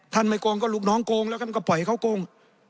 ไม่โกงก็ลูกน้องโกงแล้วท่านก็ปล่อยเขาโกง